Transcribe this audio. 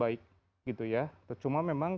baik gitu ya cuma memang